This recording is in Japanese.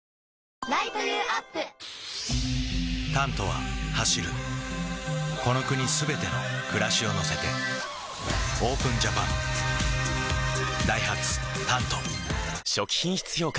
「タント」は走るこの国すべての暮らしを乗せてＯＰＥＮＪＡＰＡＮダイハツ「タント」初期品質評価